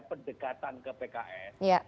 pendekatan ke pks